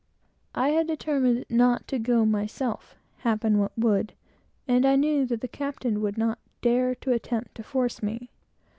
I had determined not to go myself, happen what would, and I knew that the captain would not dare to attempt to force me.